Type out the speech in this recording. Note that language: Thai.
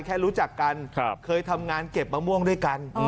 แค่รู้จักกันเคยทำงานเก็บมะม่วงด้วยกัน